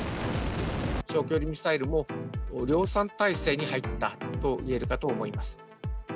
長距離ミサイルも、量産体制に入ったといえるかと思います。